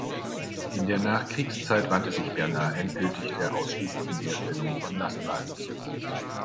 In der Nachkriegszeit wandte sich Bernard endgültig der ausschließlichen Herstellung von Lastwagen zu.